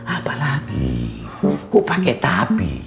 apa lagi kok pake tapi